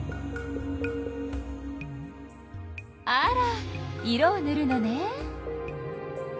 あら色をぬるのね。